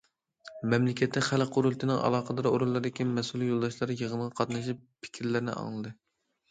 مەملىكەتلىك خەلق قۇرۇلتىيىنىڭ ئالاقىدار ئورۇنلىرىدىكى مەسئۇل يولداشلار يىغىنغا قاتنىشىپ، پىكىرلەرنى ئاڭلىدى.